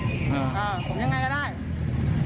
อยู่เลยอ่าครับผมแล้วทีนี้เขาวิ่งมาต่อยผมอ่า